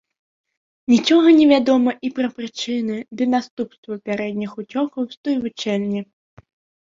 Нічога не вядома і пра прычыны ды наступствы папярэдніх уцёкаў з той вучэльні.